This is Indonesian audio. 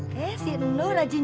kalau tidak aku sudah tipu dirinya